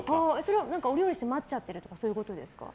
お料理して待っちゃうとかそういうことですか？